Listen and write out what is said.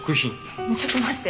ちょっと待って！